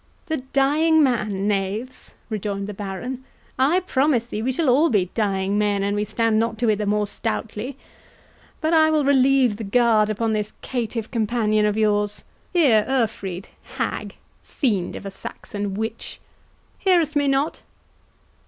"The dying man, knaves!" rejoined the Baron; "I promise thee we shall all be dying men an we stand not to it the more stoutly. But I will relieve the guard upon this caitiff companion of yours.—Here, Urfried—hag—fiend of a Saxon witch—hearest me not?